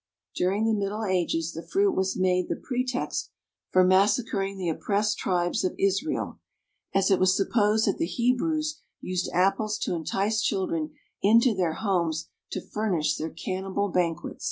During the middle ages, the fruit was made the pretext for massacring the oppressed tribes of Israel, as it was supposed that the Hebrews used apples to entice children into their homes to furnish their cannibal banquets.